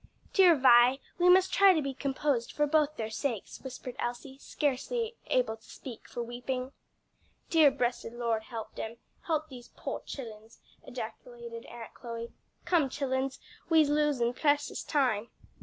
"Dear Vi, we must try to be composed for both their sakes," whispered Elsie, scarcely able to speak for weeping. "Dear bressed Lord help dem, help dese po' chillens," ejaculated Aunt Chloe. "Come, chillens, we's losin' precious time."